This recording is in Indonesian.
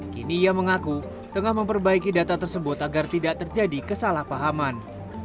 kini ia mengaku tengah memperbaiki data tersebut agar tidak terjadi kesalahpahaman